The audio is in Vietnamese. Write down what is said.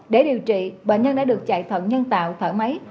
để điều trị bệnh nhân đã được chạy thận nhân tạo thở máy